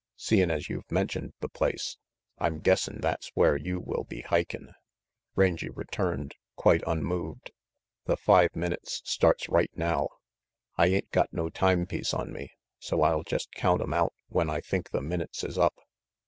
"Seein' as you've mentioned the place, I'm guessin' that's where you will be hikin'," Rangy returned, quite unmoved. "The five minutes starts right now. I ain't got no time piece on me, so I'll jest count 'em out when I think the minutes is up.